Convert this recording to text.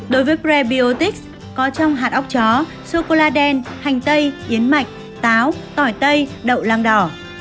đối với prebiotics có trong hạt ốc chó sô cô la đen hành tây yến mạch táo tỏi tây đậu lang đỏ